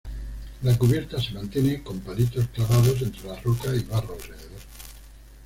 La cubierta se mantiene con palitos clavados entre las rocas y barro alrededor.